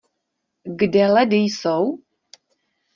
Kde ledy jsou?